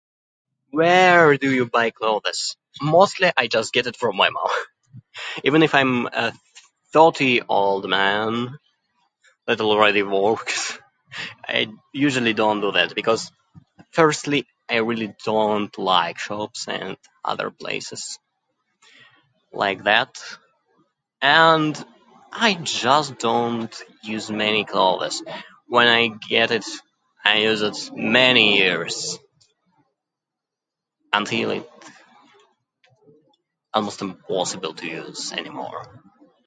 Where do you buy clothes? Mostly I just get it from my mom. Even if I'm a thirty-old man that already works, I usually don't do that. Because, firstly I really don't like shops and other places like that. And I just don't use many clothes. When I get it, I use it many years, until it almost impossible to use anymore.